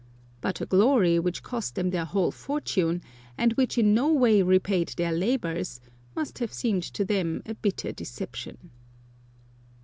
But a glory which cost them their whole fortune, and which in no way repaid their labours, must have seemed to them a bitter deception.